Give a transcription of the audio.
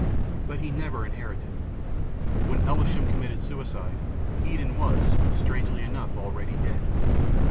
But he never inherited. When Elves ham committed suicide, Eden was, strangely enough, already dead.